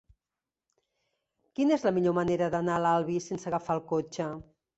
Quina és la millor manera d'anar a l'Albi sense agafar el cotxe?